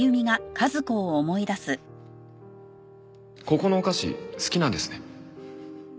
ここのお菓子好きなんですね。